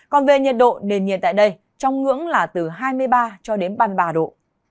còn về nhiệt độ nền nhiệt tại đây trong ngưỡng là từ hai mươi ba cho đến ba mươi ba độ